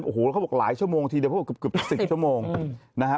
โอ้โหเขาบอกหลายชั่วโมงทีเดียวเขาบอกเกือบ๑๐ชั่วโมงนะฮะ